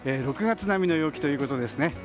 ６月並みの陽気ということですね。